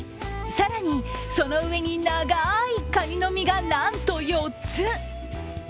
更に、その上に長いかにの身が、なんと４つ。